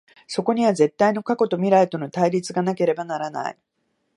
そこには絶対の過去と未来との対立がなければならない。